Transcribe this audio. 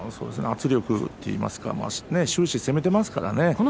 圧力といいますか終始、攻めていますからね。